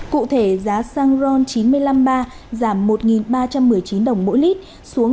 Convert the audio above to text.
cụ thể giá xăng và các mặt hàng dầu trong nước tiếp tục đi xuống